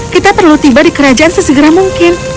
kita perlu tiba di kerajaan sesegera mungkin